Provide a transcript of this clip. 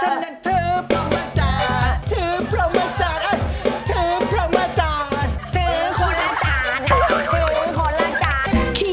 ฉันนั้นเธอพระมจรรย์เธอพระมจรรย์เธอพระมจรรย์เธอพระมจรรย์เธอพระมจรรย์เธอพระมจรรย์